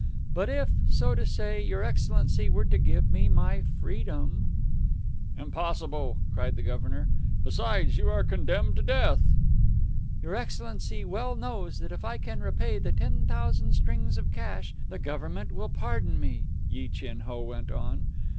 But if, so to say, your excellency were to give me my freedom " "Impossible!" cried the Governor. "Besides, you are condemned to death." "Your excellency well knows that if I can repay the ten thousand strings of cash, the government will pardon me," Yi Chin Ho went on.